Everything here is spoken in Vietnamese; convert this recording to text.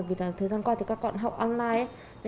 vì thời gian qua các con học online